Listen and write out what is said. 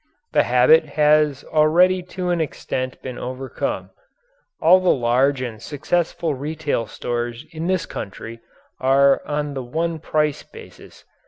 The habit has already to an extent been overcome. All the large and successful retail stores in this country are on the one price basis.